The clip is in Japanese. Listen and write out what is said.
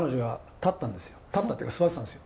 立ったというか座ってたんですよ。